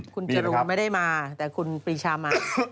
คุณจรูนไม่ได้มาแต่คุณปรีชามา